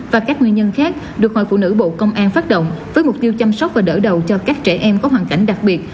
và các nguyên nhân khác được hội phụ nữ bộ công an phát động với mục tiêu chăm sóc và đỡ đầu cho các trẻ em có hoàn cảnh đặc biệt